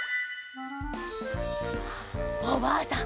おばあさん